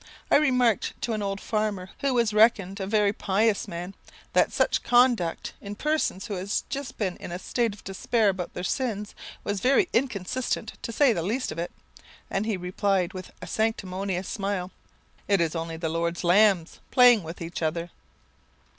I remarked to an old farmer, who was reckoned a very pious man, 'that such conduct, in persons who had just been in a state of despair about their sins, was very inconsistent, to say the least of it;' and he replied, with a sanctimonious smile 'It is only the Lord's lambs, playing with each other.'"